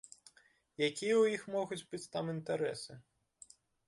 Якія ў іх могуць быць там інтарэсы?